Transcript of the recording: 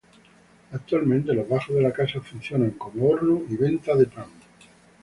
Actualmente los bajos de la casa funcionan como horno y venta de pan.